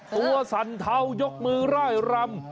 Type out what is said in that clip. ตัวสันเท้ายกมือร่ายรำ